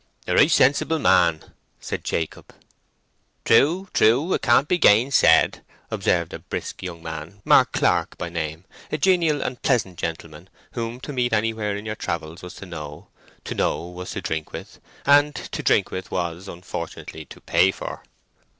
"A right sensible man," said Jacob. "True, true; it can't be gainsaid!" observed a brisk young man—Mark Clark by name, a genial and pleasant gentleman, whom to meet anywhere in your travels was to know, to know was to drink with, and to drink with was, unfortunately, to pay for.